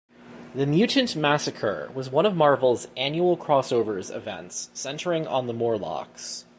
The "Mutant Massacre" was one of Marvel's annual crossovers events, centering on the Morlocks.